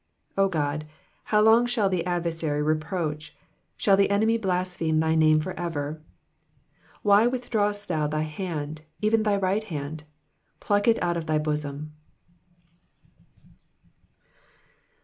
ID O God, how long shall the adversary reproach ? shall the enemy blaspheme thy name for ever ? II Why withdrawest thou thy hand, even thy right hand? pluck it out of thy bosom.